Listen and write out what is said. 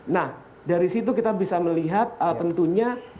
nah dari situ kita bisa melihat tentunya